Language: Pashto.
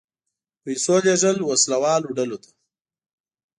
پیسو لېږل وسله والو ډلو ته.